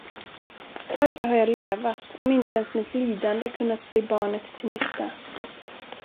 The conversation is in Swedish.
Varför har jag levat, om inte ens mitt lidande kunnat bli barnet till nytta?